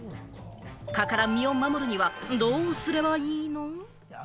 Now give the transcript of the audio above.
蚊から身を守るにはどうすればいいの？